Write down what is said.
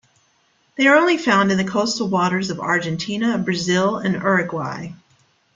They are only found in the coastal waters of Argentina, Brazil, and Uruguay.